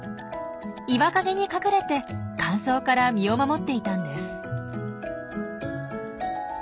岩陰に隠れて乾燥から身を守っていたんです。